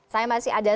saya masih ada